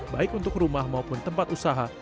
baik untuk rumah maupun tempat usaha